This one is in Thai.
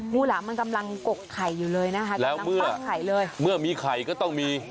งูหลามมันกำลังกกไข่อยู่เลยนะฮะแล้วเมื่อมีไข่ก็ต้องมี